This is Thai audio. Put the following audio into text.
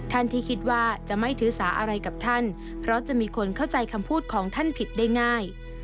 ท่านที่คิดว่าจะไม่ถือสาอะไรกับท่านเพราะจะมีคนเข้าใจคำพูดของท่านผิดได้ง่าย